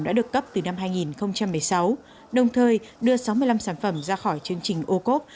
đã được cấp từ năm hai nghìn một mươi sáu đồng thời đưa sáu mươi năm sản phẩm ra khỏi chương trình ô cốp